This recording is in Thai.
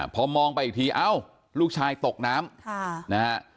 พอมองไปอีกทีอ้าวลูกชายตกน้ำ